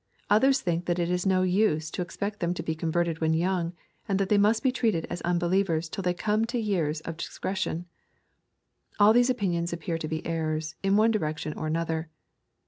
Others think that it is no use to expect them to be converted when young, and that they must be treated as unbelievers till they come to years of dis cretion.— All these opinions appear to be errors, in one direction or another.